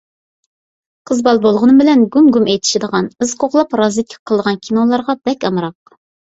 قىز بالا بولغىنىم بىلەن گۇم-گۇم ئېتىشىدىغان، ئىز قوغلاپ رازۋېدكا قىلىدىغان كىنولارغا بەك ئامراق.